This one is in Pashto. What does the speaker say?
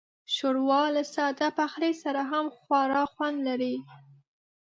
ښوروا له ساده پخلي سره هم خورا خوند لري.